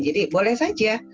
jadi boleh saja